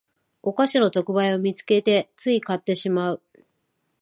お菓子の特売を見つけてつい買ってしまう